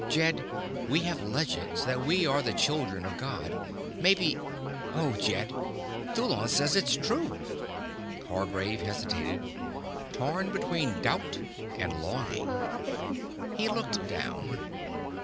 Jed, we have legends that we are the children of God. Maybe Oh, Jed, Thulon says it's true." Hargraves hesitated, torn between doubt and longing. He looked down.